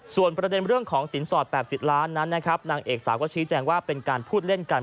ส่วนประเด็นเรื่องของสินสอดแปบสิทธิ์ล้านั้นนางเอกสาวก็ชี้แจงว่าเป็นการพูดเล่นกัน